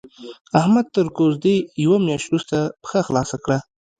احمد تر کوزدې يوه مياشت روسته پښه خلاصه کړه.